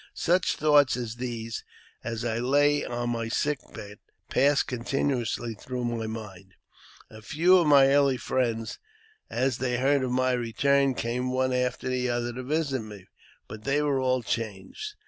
Such thoughts as these, as I lay on my sick bed, passed ■continuously through my mind. A few of my early friends, as they heard of my return, came one after the other to visit me ; but they were all changed.